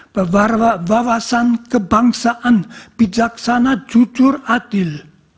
berbawasan kebangsaan bijaksana jujur adil